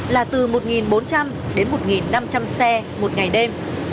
là từ một bốn trăm linh đến một năm trăm linh xe một ngày đêm